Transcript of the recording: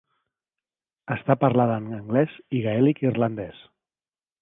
Està parlada en anglès i gaèlic irlandès.